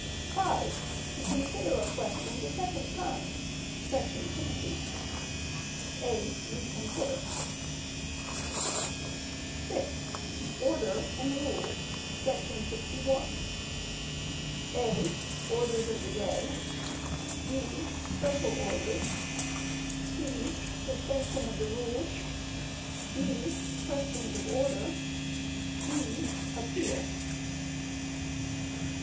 (5) To Consider a question the second time ……………….[§ 60] (a) Reconsider. (6) Order and Rules ……………………………………[§ 61] (a) Orders of the day. (b) Special Orders. (c) Suspension of the Rules. (d) Questions of Order. (e) Appeal.